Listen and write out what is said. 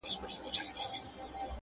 هم دي عقل هم دي فکر پوپناه سو!!